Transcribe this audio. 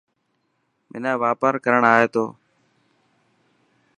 منا واپار ڪرڻ آئي ٿو.